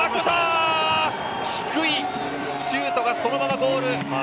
低いシュートがそのままゴール！